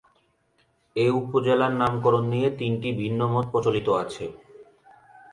এ উপজেলার নামকরণ নিয়ে তিনটি ভিন্ন মত প্রচলিত আছে।